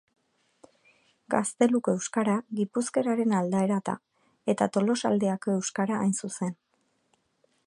Gazteluko euskara gipuzkeraren aldaera da, eta Tolosaldeako euskara hain zuzen.